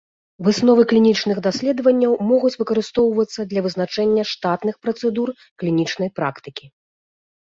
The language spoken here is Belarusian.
Высновы клінічных даследаванняў могуць выкарыстоўвацца для вызначэння штатных працэдур клінічнай практыкі.